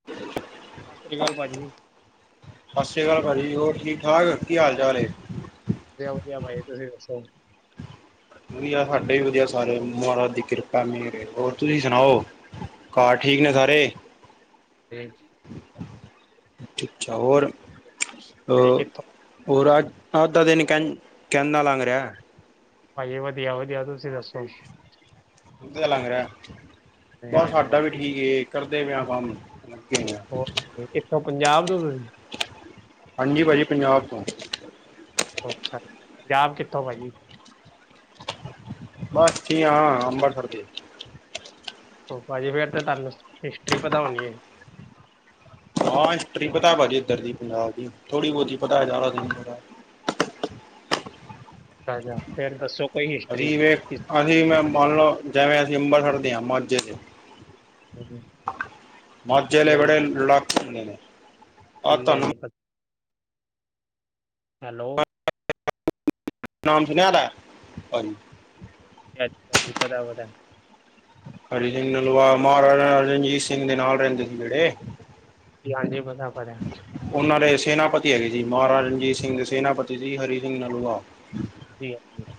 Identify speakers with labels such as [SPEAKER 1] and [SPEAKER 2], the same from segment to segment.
[SPEAKER 1] [inaudible]
[SPEAKER 2] ਸਸ ਸ੍ਰੀ ਕਾਲ ਪਾ ਜੀ।
[SPEAKER 1] ਸਸ ਸ੍ਰੀ ਕਾਲ ਪਾਜੀ ਹੋਰ ਠੀਕ-ਠਾਕ, ਕੀ ਹਾਲ ਚਾਲ ਹੈ।
[SPEAKER 2] ਵਧੀਆ-ਵਧੀਆ ਬਾਈ ਤੁਸੀਂ ਦੱਸੋ।
[SPEAKER 1] ਵਧੀਆ ਸਾਡੇ ਵੀ ਵਧੀਆ ਸਾਰੇ ਮਹਾਰਾਜ ਦੀ ਕਿਰਪਾ ਮੇਹਰ ਹੈ, ਹੋਰ ਤੁਸੀਂ ਸੁਣਾਓ? ਘਰ ਠੀਕ ਨੇ ਸਾਰੇ।
[SPEAKER 2] [unintelligible]
[SPEAKER 1] ਅ ਅੱਛਾ ਹੋਰ ਅ
[SPEAKER 2] ਭਾਜੀ ਕਿੱਥੋਂ
[SPEAKER 1] ਹੋਰ ਅੱਜ, ਅੱਜ ਦਾ ਦਿਨ ਕੈਂ ਕੈਂਨਾ ਲੱਗ ਰਿਹੈ?
[SPEAKER 2] ਪਾਜੀ ਵਧੀਆ-ਵਧੀਆ। ਤੁਸੀਂ ਦੱਸੋ ਜੀ?
[SPEAKER 1] ਵਧੀਆ ਲੱਗ ਰਿਹੈ।
[SPEAKER 2] ਹਾਂਜੀ
[SPEAKER 1] ਬਸ
[SPEAKER 2] ਹਾਂਜੀ
[SPEAKER 1] ਸਾਡਾ
[SPEAKER 2] ਭਾਜੀ
[SPEAKER 1] ਵੀ ਠੀਕ ਏ। ਕਰਦੇ ਪਏ ਆ ਕੰਮ। ਲੱਗੇ ਹੋਏ ਆ।
[SPEAKER 2] ਹੋਰ ਕਿੱਥੋ? ਪੰਜਾਬ ਤੋਂ ਹੋ ਤੁਸੀ?
[SPEAKER 1] ਹਾਂਜੀ ਪਾਜੀ ਪੰਜਾਬ ਤੋਂ ਆਂ।
[SPEAKER 2] ਅੱਛਾ-ਅੱਛਾ, ਪੰਜਾਬ ਕਿੱਥੋਂ ਪਾਜੀ?
[SPEAKER 1] ਬਸ ਜੀ ਹਾਂ। ਅੰਬਰਸਰ ਦੇ ਈ ਹੈਗੇ।
[SPEAKER 2] ਹੋਰ ਪਾਜੀ ਫੇਰ ਤਾਂ ਤਾਂਨੂੰ ਹਿਸਟਰੀ ਪਤਾ ਹੋਣੀ ਏ।
[SPEAKER 1] ਹਾਂ ਹਿਸਟਰੀ ਪਤੈ ਪਾਜੀ ਇੱਧਰ ਦੀ, ਪੰਜਾਬ ਦੀ। ਥੋੜ੍ਹੀ ਬੋਤੀ ਪਤੈ ਜਾਦਾ ਤੇ ਨੀ ਪਤਾ।
[SPEAKER 2] [unintelligible] ਫੇਰ ਦੱਸੋ ਕੋਈ ਹਿਸਟਰੀ
[SPEAKER 1] ਅਸੀ ਵੇਖ
[SPEAKER 2] ਜੀ
[SPEAKER 1] ਅਸੀ ਮ ਮੰਨ ਲੋ ਜੈਵੇਂ ਅਸੀ ਅੰਬਰਸਰ ਦੇ ਆਂ ਮਾਝੇ ਦੇ
[SPEAKER 2] [unintelligible]
[SPEAKER 1] ਮਾਝੇ ਆਲੇ
[SPEAKER 2] ਹਾਂਜੀ
[SPEAKER 1] ਬੜੇ ਲੜਾਕੇ ਹੁੰਦੇ ਨੇ। ਆ
[SPEAKER 2] ਹਾਂਜੀ
[SPEAKER 1] ਤੁਆਨੂੰ
[SPEAKER 2] ਹਾਂਜੀ ਪਤਾ ਹੈਲੋ।
[SPEAKER 1] ਨਾਮ ਸੁਣਿਆ ਦੈ?
[SPEAKER 2] ਯਾਰ ਪਾਜੀ ਪਤਾ ਵਤੈ।
[SPEAKER 1] ਹਰੀ ਸਿੰਘ ਨਲੂਆ, ਮਹਾਰਾਜਾ ਨਾਲ ਰਣਜੀਤ ਸਿੰਘ ਦੇ ਨਾਲ ਰੈਂਦੀ ਸੀ ਜਿੜੇ
[SPEAKER 2] ਜੀ ਹਾਂਜੀ ਪਤਾ ਕਰੇਂ
[SPEAKER 1] ਔਨਾਂ ਦੇ ਸੈਨਾਪਤੀ ਹੈਗੇ ਸੀ। ਮਹਾਰਾਜਾ ਰਣਜੀਤ ਸਿੰਘ ਦੇ ਸੈਨਾਪਤੀ ਸੀ ਹਰੀ ਸਿੰਘ ਨਲੂਆ।
[SPEAKER 2] [unintelligible]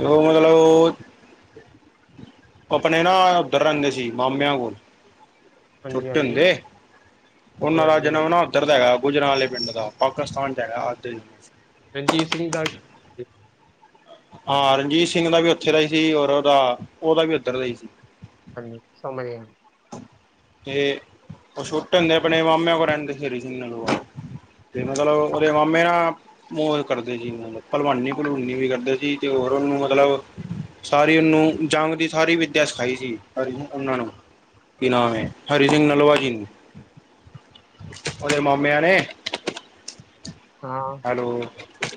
[SPEAKER 1] ਔ ਮਤਲਬ ਔ ਅਪਣੇ ਨਾ ਔਧਰ ਰੈਂਦੇ ਸੀ ਮਾਮਿਆਂ ਕੋਲ
[SPEAKER 2] ਹਾਂਜੀ
[SPEAKER 1] ਛੋਟੇ
[SPEAKER 2] ਹਾਂਜੀ
[SPEAKER 1] ਹੁੰਦੇ।
[SPEAKER 2] ਜੀ
[SPEAKER 1] ਔਨਾ ਦਾ
[SPEAKER 2] ਹਾਂਜੀ
[SPEAKER 1] ਜਨਮ
[SPEAKER 2] ਭਾਜੀ
[SPEAKER 1] ਨਾ ਔਧਰ ਦਾ ਹੈਗਾ ਗੁਜਰਾਂ ਆਲੇ ਪਿੰਡ ਦਾ, ਪਾਕਿਸਤਾਨ 'ਚ ਹੈਗਾ ਅੱਜ ਦੇ ਦਿਨ।
[SPEAKER 2] ਰਣਜੀਤ ਸਿੰਘ ਦਾ
[SPEAKER 1] ਹਾਂ ਰਣਜੀਤ ਸਿੰਘ ਦਾ ਵੀ ਔਥੇ ਦਾ ਈ ਸੀ ਔਰ ਔਦਾ, ਔਦਾ ਵੀ ਔਧਰ ਦਾ ਈ ਸੀ।
[SPEAKER 2] ਹਾਂਜੀ, ਸਮਝ ਗਿਆਂ।
[SPEAKER 1] ਤੇ ਔ ਛੋਟੇ ਹੁੰਦੇ ਆਪਣੇ ਮਾਮਿਆਂ ਕੋਲ ਰੈਂਦੇ ਸੀ, ਹਰੀ ਸਿੰਘ ਨਲੂਆ ਤੇ ਮਤਲਬ ਔਦੇ ਮਾਮੇ ਨਾ ਮੋਜ ਕਰਦੇ ਜੀ ਨਾਲ। ਭਲਵਾਨੀ-ਭਲਵੂਨੀ ਵੀ ਕਰਦੇ ਸੀ ਤੇ ਹੋਰ ਔਨੂੰ ਮਤਲਬ ਸਾਰੀ ਔਨੂੰ ਜੰਗ ਦੀ ਸਾਰੀ ਵਿੱਦਿਆ ਸਿਖਾਈ ਸੀ ਔਨਾਂ ਨੂੰ, ਕੀ ਨਾਮ ਏ ਹਰੀ ਸਿੰਘ ਨਲੂਆ ਕੀਂ, ਔਰੇ ਹਮਾਮਿਆਂ ਨੇ
[SPEAKER 2] ਹਾਂ,
[SPEAKER 1] ਹੈਲੋ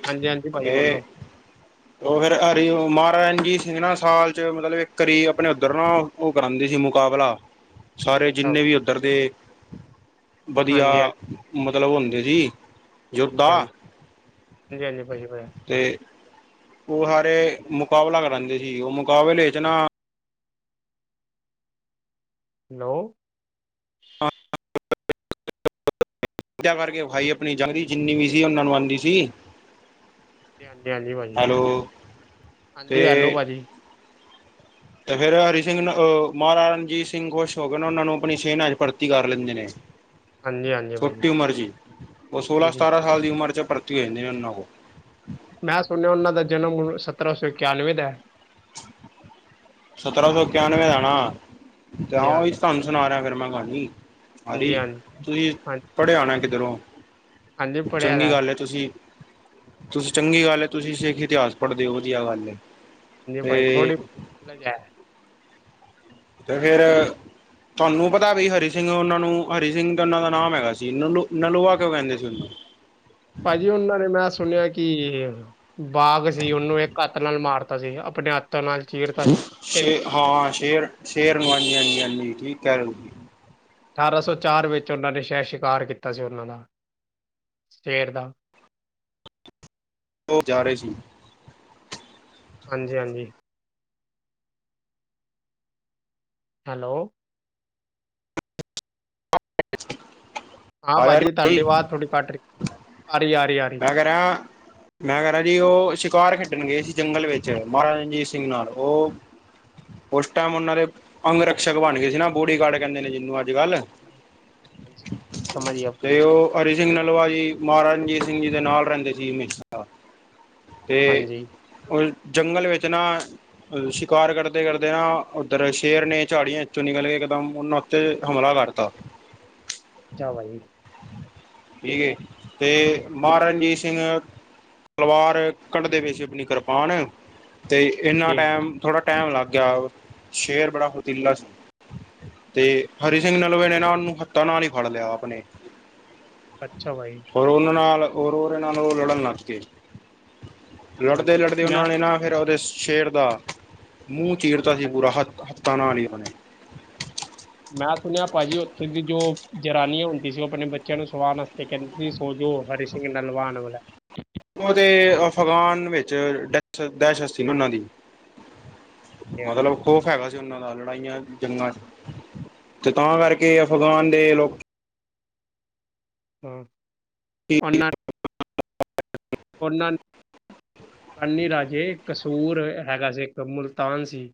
[SPEAKER 2] ਹਾਂਜੀ-ਹਾਂਜੀ ਪਾਈ ਬੋਲੋ।
[SPEAKER 1] ਔ ਫੇਰ ਹਰੀ ਮਹਾਰਾਜਾ ਰਣਜੀਤ ਸਿੰਘ ਨਾ ਸਾਲ 'ਚ ਮਤਲਬ ਇੱਕ ਵਾਰੀ ਆਪਣੇ ਉੱਧਰ ਨਾ ਔ ਕਰਾਂਦੀ ਸੀ ਮੁਕਾਬਲਾ
[SPEAKER 2] [inaudible]
[SPEAKER 1] ਸਾਰੇ
[SPEAKER 2] ਹਾਂਜੀ
[SPEAKER 1] ਜਿੰਨੇ ਵੀ ਔਧਰ ਦੇ ਵਧੀਆ
[SPEAKER 2] ਹਾਂਜੀ
[SPEAKER 1] ਮਤਲਬ ਹੁੰਦੀ ਸੀ ਜੋਧਾ
[SPEAKER 2] ਹਾਂਜੀ ਹਾਂਜੀ ਹਾਂਜੀ ਭਾਜੀ ਭਾਜੀ
[SPEAKER 1] ਤੇ ਔ ਹਾਰੇ ਮੁਕਾਬਲਾ ਕਰਾਂਦੀ ਸੀ ਔ ਮੁਕਾਬਲੇ ਇੱਚ ਨਾ
[SPEAKER 2] ਹੈਲੋ।
[SPEAKER 1] [unintelligible] ਕਰਕੇ ਵਿਖਾਈ ਆਪਣੀ ਜੰਗ ਦੀ ਜਿੰਨੀ ਵੀ ਸੀ ਔਨਾਂ ਨੂੰ ਆਂਦੀ ਸੀ।
[SPEAKER 2] ਹਾਂਜੀ-ਹਾਂਜੀ ਪਾਜੀ।
[SPEAKER 1] ਹੈਲੋ ਤੇ
[SPEAKER 2] ਹਾਂਜੀ, ਹੈਲੋ ਪਾਜੀ।
[SPEAKER 1] ਤੇ ਫੇਰ ਹਰੀ ਸਿੰਘ ਨਲੁ ਅ ਮਹਾਰਾਜਾ ਰਣਜੀਤ ਸਿੰਘ ਖੁਸ਼ ਹੋ ਗਏ ਨਾ। ਔਨਾ ਨੂੰ ਅਪਣੀ ਸੇਨਾ 'ਚ ਭਰਤੀ ਕਰ ਲੈਂਦੇ ਨੇ।
[SPEAKER 2] [unintelligible] ਹਾਂਜੀ ਭਾਜੀ
[SPEAKER 1] ਛੋਟੀ ਉਮਰ 'ਚ ਈ। ਔ ਸੋਲਾਂ
[SPEAKER 2] ਹਾਂਜੀ
[SPEAKER 1] ਸਤਾਰਾਂ ਸਾਲ ਦੀ ਉਮਰ 'ਚ ਭਰਤੀ ਹੋਏ ਨੇ ਔਨਾਂ ਕੋਲ।
[SPEAKER 2] ਮੈਂ ਸੁਣਿਆ ਔਨਾਂ ਦਾ ਜਨਮ ਸਤਰਾਂ ਸੌ ਇਕਿਆਨਵੇਂ ਦਾ ਐ।
[SPEAKER 1] ਸਤਰਾਂ ਸੌ ਇਕਿਆਨਵੇਂ ਐ ਨਾਂ। ਤੇ
[SPEAKER 2] ਹਾਂਜੀ ਹਾਂ
[SPEAKER 1] ਐਵੋਂ ਈ ਸੰਨ ਸਣਾ ਰਿਐ ਫਿਰ ਮੈਂ ਪਾਜੀ,
[SPEAKER 2] ਹਾਂਜੀ
[SPEAKER 1] ਪਾਜੀ
[SPEAKER 2] ਹਾਂਜੀ
[SPEAKER 1] ਤੁਸੀ
[SPEAKER 2] ਹਾਂਜੀ
[SPEAKER 1] ਪੜ੍ਹਿਆ ਹੋਣੈ ਕਿੱਧਰੋਂ।
[SPEAKER 2] ਹਾਂਜੀ ਪੜ੍ਹਿਆ ਦਾ
[SPEAKER 1] ਚੰਗੀ
[SPEAKER 2] ਹੈ।
[SPEAKER 1] ਗੱਲ ਐ ਤੁਸੀ ਤੁਸੀ ਚੰਗੀ ਗੱਲ ਐ, ਤੁਸੀਂ ਸਿੱਖ ਇਤਿਹਾਸ ਪੜ੍ਹਦੇ ਔ ਵਧੀਆ ਗੱਲ ਏ।
[SPEAKER 2] ਏਨੇ, ਭਾਈ ਥੋੜ੍ਹੀ ਨੋਲੇਜ ਹੈ
[SPEAKER 1] ਤੇ ਫੇਰ ਤੁਹਾਨੂੰ ਪਤਾ ਵੀ, ਹਰੀ ਸਿੰਘ ਦਾ ਉਹਨਾਂ ਦਾ ਨਾਮ ਹੈਗਾ ਸੀ, ਨਲੂਆ ਕਿਉਂ ਕਹਿੰਦੇ ਸੀ ਉਹਨੂੰ
[SPEAKER 2] ਭਾਜੀ, ਉਹਨਾਂ ਨੇ ਮੈਂ ਸੁਣਿਆ ਕਿ ਬਾਗ ਸੀ ਉਹਨੂੰ, ਇੱਕ ਹੱਥ ਨਾਲ ਮਾਰਤਾ ਸੀ ਆਪਣੇ ਹੱਥਾਂ ਨਾਲ ਚੀਰਤਾ ਸੀ
[SPEAKER 1] ਸ਼ੇ
[SPEAKER 2] ਅਠਾਰਾਂ
[SPEAKER 1] ਹਾਂ, ਸ਼ੇਰ-ਸ਼ੇਰ ਨੂੰ ਹਾਂਜੀ-ਹਾਂਜੀ ਠੀਕ ਕਹਿ ਰਹੇ ਜੀ
[SPEAKER 2] ਅਠਾਰਾਂ ਸੌ ਚਾਰ ਵਿੱਚ, ਉਹਨਾਂ ਨੇ ਸ਼ਹਿਦ, ਸ਼ਿਕਾਰ ਕੀਤਾ ਸੀ ਉਹਨਾਂ ਦਾ ਸੇਰ ਦਾ
[SPEAKER 1] ਜਾ ਰਹੇ ਸੀ
[SPEAKER 2] ਹਾਂਜੀ-ਹਾਂਜੀ ਹੈਲੋ
[SPEAKER 1] [inaudible] [inaudible]
[SPEAKER 2] ਹਾਂ ਭਾਜੀ, ਤੁਹਾਡੀ ਬਾਹ ਥੋੜੀ ਘੱਟ ਲਹੀ, ਆਰੀ ਆ ਰਹੀ ਆ ਰ
[SPEAKER 1] ਅਗਰ ਮੈਂ ਕਹਿ ਰਿਹਾ ਜੀ, ਉਹ ਸ਼ਿਕਾਰ ਖੇਡਣ ਗਏ ਸੀ। ਜੰਗਲ ਵਿੱਚ ਮਹਾਰਾਜਾ ਰਣਜੀਤ ਸਿੰਘ ਨਾਲ ਉਹ ਉਸ ਟਾਈਮ ਉਹਨਾਂ ਦੇ, ਅੰਗਰਕਸ਼ਕ ਬਣ ਗਏ ਸੀ। ਬੋਡੀਗਾਰਡ ਕਹਿੰਦੇ ਨੇ ਜਿਹਨੂੰ ਅੱਜ -ਕੱਲ੍ਹ
[SPEAKER 2] ਸਮਾਜ ਆਪਣੀ
[SPEAKER 1] ਤੇ ਉਹ ਹਰੀ ਸਿੰਘ ਨਲੂਆ ਜੀ, ਮਹਾਰਾਜ ਰਣਜੀਤ ਸਿੰਘ ਜੀ ਦੇ ਨਾਲ ਰਹਿੰਦੇ ਸੀ। ਹਮੇਸ਼ਾ ਤੇ ਜੰਗਲ, ਵਿੱਚ ਨਾ ਸ਼ਿਕਾਰ, ਕਰਦੇ- ਕਰਦੇ ਨਾ ਉੱਧਰ ਸ਼ੇਰ ਨੇ ਝਾੜੀਆਂ ਚੌ ਨਿਕਲ ਕੇ, ਇਕਦਮ ਉਹਨਾਂ ਤੇ ਹਮਲਾ ਕਰਤਾ
[SPEAKER 2] ਅੱਛਾ ਵਈ,
[SPEAKER 1] ਠੀਕ ਹੈ, ਤੇ ਮਹਾਰਾਜਾ ਰਣਜੀਤ ਸਿੰਘ ਤਲਵਾਰ ਕਢਦੇ ਪਏ ਸੀ, ਆਪਣੀ ਕਿਰਪਾਨ ਤੇ ਇਨਾਂ ਟਾਈਮ ਥੋੜ੍ਹਾ, ਟਾਈਮ ਲੱਗ ਗਿਆ, ਸ਼ੇਰ ਬੜਾ ਫੁਰਤੀਲਾ ਸੀ ਤੇ, ਹਰੀ ਸਿੰਘ ਨਲੂਵੇ ਨੇ ਨਾ, ਨੂੰ ਹੱਥਾਂ ਨਾਲ ਹੀ ਫੜ ਲਿਆ ਆਪਣੇ।
[SPEAKER 2] ਅੱਛਾ ਵਈ
[SPEAKER 1] ਔਰ ਉਹਨਾਂ ਨਾਲ--ਔਰ ਉਹਨਾਂ ਨਾਲ, ਉਹ ਲੜਨ ਲੱਗ ਪਏ। ਲੜਦੇ-
[SPEAKER 2] ਹਾਂਜੀ
[SPEAKER 1] ਲੜਦੇ
[SPEAKER 2] ਮੈਂ
[SPEAKER 1] ਉਹਨਾਂ ਨੇ ਨਾ, ਫਿਰ ਉਹਦੇ ਸ਼ੇਰ ਦਾ ਮੂੰਹ ਚੀਰਤਾ ਸੀ
[SPEAKER 2] ਹਾਂਜੀ,
[SPEAKER 1] ਪੂਰਾ, ਹੱਥਾਂ ਨਾਲ ਹੀ ਉਹਨਾਂ ਨੇ
[SPEAKER 2] ਮੈਂ ਸੁਣਿਆ ਭਾਜੀ, ਉਥੇ ਦੀ ਜੋ ਜਨਾਨੀਆਂ ਹੁੰਦੀ ਸੀ, ਉਹ ਆਪਣੇ ਬੱਚਿਆਂ ਨੂੰ ਸਵਾਉਣ ਵਾਸਤੇ ਕਹਿੰਦੇ, ਸੋਜੋ ਹਰੀ ਸਿੰਘ ਨਲੂਆ ਆਨ ਵਾਲਾ
[SPEAKER 1] ਉਹਦੇ, ਅਫਗਾਨ ਵਿੱਚ ਡੇਸੀਤ ਸੀ ਉਹਨਾਂ ਦੀ
[SPEAKER 2] ਹਾਂਜੀ
[SPEAKER 1] ਮਤਲੱਬ ਖੋਫ, ਹੈਗਾ। ਜੰਗਾ ਨਾਲ ਲੜਾਈਆਂ ਜੰਗਾਂ ਤੇ, ਤਾਂ ਕਰਕੇ ਅਫਗਾਨ ਦੇ ਲੋਕ
[SPEAKER 2] ਹਾਂਨਾਂ [inaudible] ਉਹਨਾਂ ਕਾਨੀ ਰਾਜੇ ਕਸੂਰ ਹੈਗਾ ਸੀ, ਇੱਕ ਮੁਲਤਾਨ ਸੀ।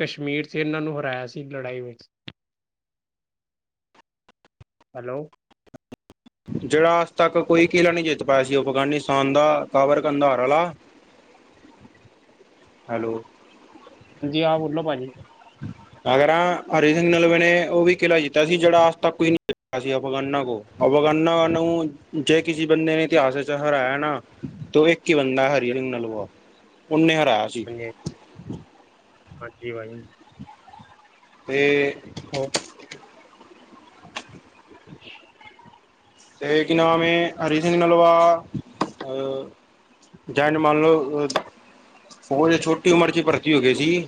[SPEAKER 2] ਕਸ਼ਮੀਰ ਵਿਚ, ਇਹਨਾਂ ਨੂੰ ਹਰਾਇਆ ਸੀ ਲੜਾਈ ਵਿੱਚ, ਹੈਲੋ,
[SPEAKER 1] ਜਿਹੜਾ, ਅੱਜ -ਤੱਕ ਕੋਈ ਕਿਲਾ ਨਹੀਂ ਜਿੱਤ ਪਾਇਆ ਸੀ। ਅਫਗਾਨਿਸਤਾਨ ਦਾ ਕਾਬਲ ਕੰਧਾਰ ਆਲਾ ਹੈਲੋ
[SPEAKER 2] ਹਾਂਜੀ, ਆਪ ਬੋਲਣਾ ਭਾਅ ਜੀ?
[SPEAKER 1] ਅਗਰ, ਹਰੀ ਸਿੰਘ ਨਲੂਵੇ ਨੇ ਉਹ ਵੀ ਕਿਲ੍ਹਾ ਜਿੱਤਿਆ ਸੀ। ਜਿਹੜਾ ਅੱਜ -ਤੱਕ ਕੋਈ ਨਹੀਂ ਜਿੱਤ ਅਸੀ ਅਫਗਾਨਾ ਕੋਲ, ਅਫਗਾਨਾ ਨੂੰ ਜੇ ਕਿਸੇ ਬੰਦੇ ਨੇ ਇਤਿਹਾਸ ਵਿੱਚ, ਹਰਾਇਆ ਨਾ ਤੋ ਇੱਕ ਹੀ ਬੰਦਾ, ਹਰੀ
[SPEAKER 2] ਹਾਂਜੀ
[SPEAKER 1] ਸਿੰਘ ਨਲੂਆ ਉਹਨੇ ਹਰਾਇਆ ਸੀ।
[SPEAKER 2] ਹਾਂਜੀ, ਭਾਜੀ।
[SPEAKER 1] ਅਤੇ
[SPEAKER 2] ਹਾਂਜੀ, [unintelligible] [inaudible]
[SPEAKER 1] ਤੇ ਕਿ ਨਾਮ ਏ, ਹਰੀ ਸਿੰਘ ਨਲਲਵਾ ਅਹ ਜਨ ਮੰਨ ਲਉ ਉਹ ਛੋਟੀ ਉਮਰ ਚ ਭਰਤੀ ਹੋ ਗਏ ਸੀ।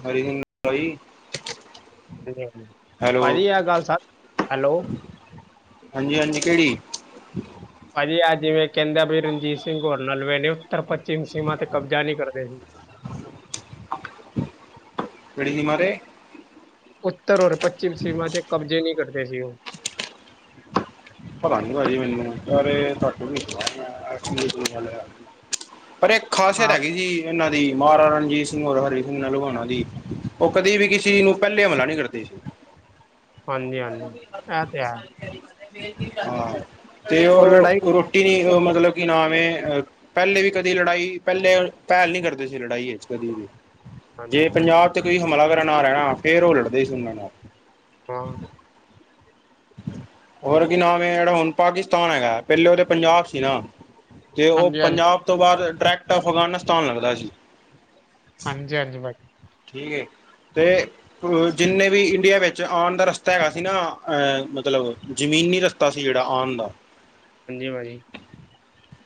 [SPEAKER 1] ਹੈਲੋ
[SPEAKER 2] ਭਾਅ ਜੀ ਆ ਗੱਲ ਸਰ ਹੈਲੋ
[SPEAKER 1] ਹਾਂਜੀ-ਹਾਜੀ ਕਿਹੜੀ?
[SPEAKER 2] ਭਾਜੀ ਆਹ ਜਿਵੇਂ ਕਹਿੰਦੇ ਵੀ ਰਣਜੀਤ ਸਿੰਘ ਹੋਰ ਨਲੂਆ ਨੇ ਉੱਤਰ ਪੱਛਮ ਸੀਮਾ ਤੇ ਕਬਜ਼ਾ ਨਹੀਂ ਕਰਦੇ ਸੀ।
[SPEAKER 1] ਕੀੜੀ ਨੀ ਮਰੇ [unintelligible]
[SPEAKER 2] ਉੱਤਰ ਔਰ ਪੱਛਮ ਸੀਮਾ ਚ ਕਬਜ਼ੇ ਨਹੀਂ ਕਰਦੇ ਸੀ ਉਹ
[SPEAKER 1] ਪਤਾ ਨੀ ਭਾਜੀ ਮੈਨੂੰ ਪਰ ਇੱਕ ਖਾਸੀਅਤ
[SPEAKER 2] ਹਾਂ
[SPEAKER 1] ਹੈਗੀ ਸੀ। ਇਹਨਾਂ ਦੀ ਮਹਾਰਾਜਾ ਰਣਜੀਤ ਸਿੰਘ, ਹਰੀ ਸਿੰਘ ਨਲੂਆ ਹੋਣਾ ਦੀ ਉਹ ਕਦੀ ਵੀ ਕਿਸੇ ਨੂੰ ਪਹਿਲੇ ਹਮਲਾ ਨਹੀਂ ਕਰਦੇ ਸੀ।
[SPEAKER 2] ਹਾਂਜੀ-ਹਾਂਜੀ।
[SPEAKER 1] ਹਾਂ, ਤੇ ਉਹ। ਟੀ ਨ ਮਤਲਬ ਕਿ ਨਾਮ ਹੈ ਅ [inaudible] ਪਹਿਲੇ ਵੀ ਕਦੀ ਲੜਾਈ ਪਹਿਲੇ ਪਹਿਲ ਨੀ ਕਰਦੇ ਸੀ। ਲੜਾਈ ਵਿੱਚ ਕਦੀ ਵੀ ਜੇ
[SPEAKER 2] ਹਾਂਜੀ
[SPEAKER 1] ਪੰਜਾਬ ਚ ਕੋਈ ਹਮਲਾ ਕਰਨ ਆ ਰਿਹਾ ਨਾ, ਫਿਰ ਉਹ ਲੜਦੇ ਸੀ ਉਹਨਾਂ ਨਾਲ।
[SPEAKER 2] ਹਾਂ।
[SPEAKER 1] ਹੋਰ ਕੀ ਨਾਮ ਹੈ। ਜਿਹੜਾ ਹੁਣ ਪਾਕਿਸਤਾਨ ਹੈਗਾ, ਪਹਿਲੋ ਓ ਤੇ ਪੰਜਾਬ ਸੀ ਨਾ। ਤੇ ਉਹ
[SPEAKER 2] ਹਾਂਜੀ ਹਾਂਜੀ
[SPEAKER 1] ਪੰਜਾਬ ਤੋਂ ਬਾਅਦ ਡਾਇਰੈਕਟ ਅਫਗਾਨਿਸਤਾਨ ਲੱਗਦਾ ਸੀ।
[SPEAKER 2] ਹਾਂਜੀ-ਹਾਂਜੀ।
[SPEAKER 1] ਠੀਕ ਹੈ, ਅਤੇ ਜਿੰਨੇ ਵੀ ਇੰਡੀਆਂ ਵਿੱਚ ਆਣ ਦਾ ਰਸਤਾ ਹੈਗਾ ਸੀ ਨਾ ਅਹ ਮਤਲਬ ਜ਼ਮੀਨੀ ਰਸਤਾ ਸੀ ਜੇੜਾ ਆਂਣ ਦਾ।
[SPEAKER 2] ਹਾਂਜੀ ਭਾਜੀ।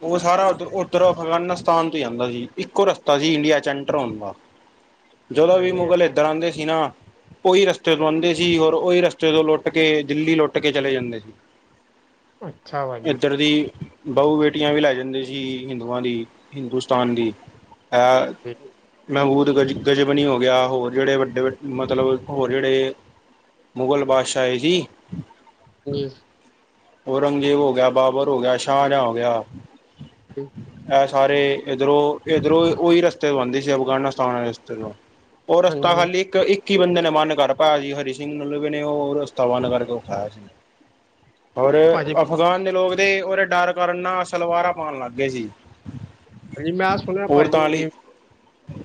[SPEAKER 1] ਉਹ ਸਾਰਾ ਉਧ ਉਧਰ ਅਫਗਾਨਿਸਤਾਨ ਤੋਂ ਹੀ ਜਾਂਦਾ ਸੀ। ਇੱਕੋ ਰਸਤਾ ਸੀ ਇੰਡੀਆ ਚ ਐਂਟਰ ਹੋਣ ਦਾ।
[SPEAKER 2] [unintelligible]
[SPEAKER 1] ਜਦੋਂ ਵੀ
[SPEAKER 2] ਹਾਂਜੀ ਹਾਂਜੀ।
[SPEAKER 1] ਮੁਗਲ ਇੱਧਰ ਆਂਦੇ ਸੀ। ਨਾ ਉਹੀ ਰਸਤੇ ਤੋਂ ਆਂਦੇ ਸੀ ਔਰ ਉਹੀ ਰਸਤੇ ਤੋਂ। ਕੇ ਦਿੱਲੀ ਲੁੱਟ ਕੇ ਚਲੇ ਜਾਂਦੇ ਸੀ।
[SPEAKER 2] ਅੱਛਾ ਭਾਜੀ
[SPEAKER 1] ਇੱਧਰ ਦੀ ਬਹੂ-ਬੇਟੀਆਂ ਵੀ ਲੈ ਜਾਂਦੇ ਸੀ। ਹਿੰਦੂਆਂ ਦੀ ਹਿੰਦੂਸਤਾਨ ਦੀ। ਹਾਂ। ਮਹਿਬੂਦ ਗ ਗਜ਼ਬਨੀ ਹੋ ਗਿਆ, ਹੋਰ ਜਿਹੜੇ ਵੱਡੇ ਮਤਲਬ ਹੋਰ ਜਿਹੜੇ ਮੁਗਲ ਬਾਦਸ਼ਾਹ ਆਏ ਸੀ।
[SPEAKER 2] [unintelligible]
[SPEAKER 1] ਔਰੰਗਜ਼ੇਬ ਹੋ ਗਿਆ, ਬਾਬਰ ਹੋ ਗਿਆ, ਸ਼ਾਹਜਾਂਹ ਹੋ ਗਿਆ।
[SPEAKER 2] ਹੂੰ।
[SPEAKER 1] ਐ ਸਾਰੇ ਇੱਧਰੋਂ-ਇੱਧਰੋਂ ਉਹੀ ਰਸਤੇ ਤੋਂ ਬਣਦੀ ਸੀ। ਅਫਗਾਨਿਸਤਾਨ ਵਾਲੇ ਰਸਤੇ ਤੋਂ ਉਹ ਰਸਤਾ
[SPEAKER 2] ਹਾਂਜੀ
[SPEAKER 1] ਖਾਲੀ ਇੱਕ-ਇੱਕ ਹੀ ਬੰਦੇ ਨੇ ਬੰਦ ਕਰ ਪਾਇਆ ਸੀ। ਹਰੀ ਸਿੰਘ ਨਲੂਏ ਨੇ ਓ ਤਵਾਨ ਕਰਕੇ ਉਠਾਇਆ ਸੀ ਔਰ
[SPEAKER 2] ਭਾਜੀ
[SPEAKER 1] ਪਠਾਨ ਦੇ ਲੋਕ ਦੇ ਉਹਦੇ ਡਰ ਕਾਰਨ ਨਾ ਸਲਵਾਰਾਂ ਪਾਂਣ ਲੱਗ ਗਏ ਸੀ।
[SPEAKER 2] ਹਾਂਜੀ, ਮੈਂ ਸੁਣਿਆ
[SPEAKER 1] ਔਰਤਾਂ ਲਈ
[SPEAKER 2] ਭਾਜੀ।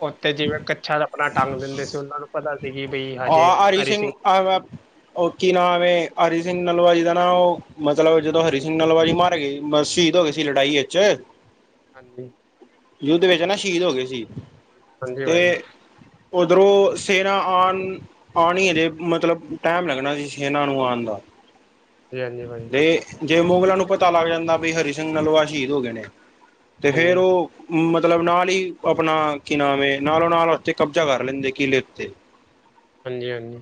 [SPEAKER 2] ਉੱਥੇ ਜਿਵੇਂ ਕੱਛਾ ਆਪਣਾ ਟੰਗ ਦਿੰਦੇ ਸੀ। ਉਹਨਾਂ ਨੂੰ ਪਤਾ ਸੀ। ਬਈ ਹਜੇ
[SPEAKER 1] ਹਾਂ
[SPEAKER 2] ਹਰੀ
[SPEAKER 1] [unintelligible] ਉਹ ਕੀ ਨਾਮਂ ਹਰੀ ਸਿੰਘ ਨਲੂਆ ਜੀ ਦਾ ਨਾ ਉਹ ਮਤਲਬ ਜਦੋਂ ਹਰੀ ਸਿੰਘ ਨਲੂਆ ਜੀ ਮਾਰੇ ਗਏ ਸ਼ਹੀਦ ਹੋ ਗਏ ਸੀ। ਲੜਾਈ ਵਿੱਚ।
[SPEAKER 2] ਹਾਂਜੀ।
[SPEAKER 1] ਯੁੱਧ ਵਿੱਚ ਨਾ ਸ਼ਹੀਦ ਹੋ ਗਏ ਸੀ
[SPEAKER 2] ਹਾਂਜੀ
[SPEAKER 1] ਤੇ।
[SPEAKER 2] ਭਾਜੀ
[SPEAKER 1] ਉੱਧਰੋਂ ਸੈਨਾ ਆਣ ਆ ਹੈ ਦੇ ਮਤਲਬ। ਟਾਈਮ ਲੱਗਣਾ ਸੀ ਸੇਨਾ ਨੂੰ ਆਂਣ ਦਾ।
[SPEAKER 2] [inaudible]
[SPEAKER 1] ਤੇ ਜੇ ਮੁਗਲਾਂ ਨੂੰ ਪਤਾ ਲੱਗ ਜਾਂਦਾ, ਵੀ ਹਰੀ ਸਿੰਘ ਨਲੂਆ ਸ਼ਹੀਦ ਹੋਗੇ ਨੇ, ਤੇ ਫੇਰ
[SPEAKER 2] ਹਾਂਜੀ
[SPEAKER 1] ਓ ਮਤਲਬ ਨਾਲ ਈ ਅਪਨਾ ਕੀ ਨਾਮ ਏ, ਨਾਲੋ-ਨਾਲ ਓਥੇ ਕਬਜ਼ਾ ਕਰ ਲੈਂਦੇ ਕਿਲ੍ਹੇ ਉੱਤੇ।
[SPEAKER 2] ਹਾਂਜੀ‌-ਹਾਂਜੀ।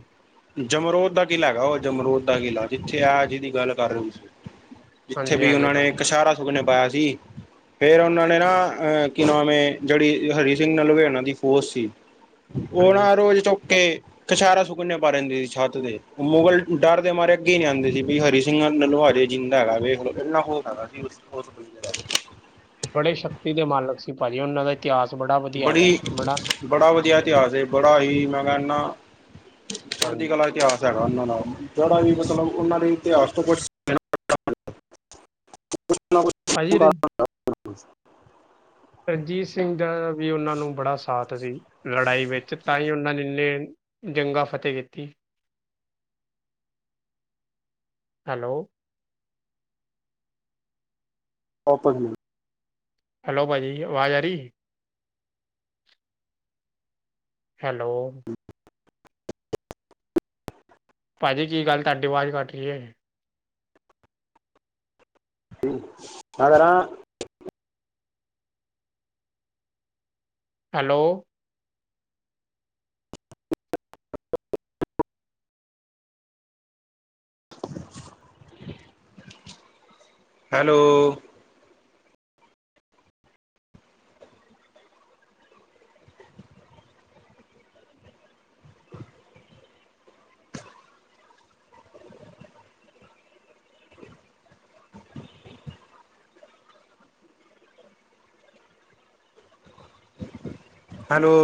[SPEAKER 1] ਜਮਰੋਦ ਦਾ ਕਿਲ੍ਹਾ ਗਾ ਓ, ਜਮਰੋਦ ਦਾ ਕਿਲ੍ਹਾ, ਜਿੱਥੇ ਐ ਜੀਹਦੀ ਗੱਲ ਕਰ ਰਏ ਓ ਤੁਸੀ ਜਿੱਥੇ
[SPEAKER 2] ਹਾਂਜੀ
[SPEAKER 1] ਵੀ
[SPEAKER 2] ਹਾਂਜੀ
[SPEAKER 1] ਓਨਾਂ ਨੇ
[SPEAKER 2] ਭਾਜੀ
[SPEAKER 1] ਕਸ਼ੈਰਾ ਸੁਕਨੇ ਪਾਯਾ ਸੀ। ਫੇਰ ਉਹਨਾਂ ਨੇ ਨਾ ਅਹ ਕੀ ਨਾਮ ਏ ਜਿਹੜੀ ਹਰੀ ਸਿੰਘ ਨਲੁਅਏ ਹੋਣਾ ਦੀ ਫੋਜ ਸੀ ਉਹ
[SPEAKER 2] ਹਾਂਜੀ
[SPEAKER 1] ਨਾ ਰੋਜ਼ ਚੁੱਕ ਕੇ ਕੈਸ਼ਾਰਾ ਸੁਕਨੇ ਪਾਂਦੀ ਸੀ ਛੱਤ ਤੇ ਮੁੱਗਲ ਡਰ ਦੇ ਮਾਰੇ ਅੱਗੇ ਨੀ ਆਂਦੇ ਸੀ ਵੀ ਹਰੀ ਸਿੰਘ ਨਲੂਆ ਹਜੇ ਜਿੰਂਦਾ ਹੈਗਾ ਵੇਖ ਲੋ ਇੰਨਾ ਖੋਫ ਹੈਗਾ ਸੀ ਉਸ ਦਾ
[SPEAKER 2] ਬੜੇ ਸ਼ਕਤੀ ਦੇ ਮਾਲਕ ਸੀ ਪਾਜੀ ਉਹਨਾਂ ਦਾ ਇਤਿਹਾਸ ਬੜਾ ਵਧੀਆ ਹੈਗਾ
[SPEAKER 1] ਬੜੀ
[SPEAKER 2] ਬੜਾ
[SPEAKER 1] ਬੜਾ ਵਧੀਆ ਇਤਿਹਾਸ ਏ ਬੜਾ ਹੀ ਮੈਂ ਕਿਹਣਾ ਚੜ੍ਹਦੀ
[SPEAKER 2] ਹਾਂਜੀ
[SPEAKER 1] ਕਲਾ ਇਤਿਹਾਸ ਏ। ਹੈਗਾ ਉਹਨਾਂ ਨਾਲ ਜਿਹੜਾ ਵੀ ਮਤਲਬ ਉਹਨਾਂ ਦੀ ਇਤਿਹਾਸ ਤੋਂ ਕੁੱਛ
[SPEAKER 2] ੍ਪਾਜੀ ਰਿ ਰਣਜੀਤ ਸਿੰਘ ਦਾ ਵੀ ਓਨਾਂ ਨੂੰ ਬੜਾ ਸਾਥ ਸੀ। ਲੜਾਈ ਵਿੱਚ ਤਾ ਈ ਓਨਾਂ ਨੇ ਏਨੇ ਜੰਗਾ ਫਤੇ ਕੀਤੀ। ਹੈਲੋ
[SPEAKER 1] [unintelligible]
[SPEAKER 2] ਹੈਲੋ, ਪਾਜੀ ਆਵਾਜ਼ ਆ ਰੀ ਹੈਲੋ
[SPEAKER 1] [inaudible]
[SPEAKER 2] ਜੀ ਕੀ ਗਾੱਲ ਤਾਡੀ ਵਾਜ਼ ਕਾੱਟ ਰੀ ਏ
[SPEAKER 1] ਮੈਂ ਕਰਾਂ
[SPEAKER 2] ਹੈਲੋ
[SPEAKER 1] [inaudible] ਹੈਲੋ ਹੈਲੋ